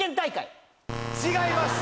違います